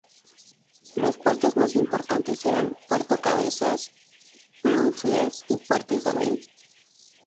Los puertos más importantes eran Puerto Cabezas, Bluefields y Puerto Isabel.